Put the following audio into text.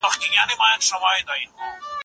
زه بايد تکړښت وکړم.